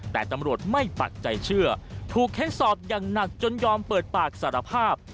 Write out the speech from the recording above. แต่ตำรวจไม่ปักใจเชื่อถูกเค้นสอบอย่างหนักจนยอมเปิดปากสารภาพ